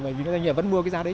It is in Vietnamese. doanh nghiệp vẫn mua cái giá đấy